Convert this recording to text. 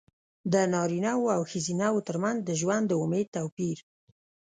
د نارینه وو او ښځینه وو ترمنځ د ژوند د امید توپیر.